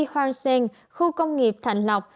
hoàng sên khu công nghiệp thạnh lộc